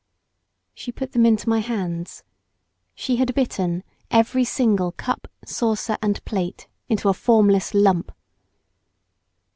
She put them into my hands. She had bitten every single cup, saucer, and plate into a formless lump!